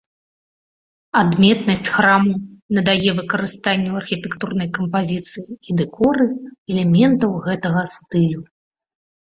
Адметнасць храму надае выкарыстанне ў архітэктурнай кампазіцыі і дэкоры элементаў гэтага стылю.